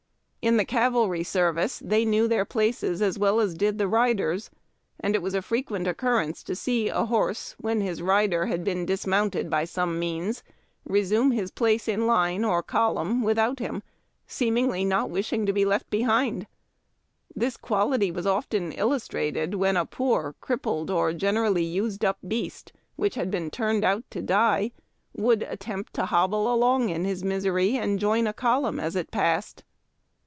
In the cavalry service thev knew their places as well as did their riders, and it was a frequent occurrence to see a horse, when his rider had been dismounted SCATTERING SHOTS. 329 by some means, resume his place in line or column without him, seemingly not wishing to be left behind. This quality was often illustrated when a poor, crippled, or generally used up beast, which had been turned out to die, would attempt to hobble along in his misery and join a column as it passed.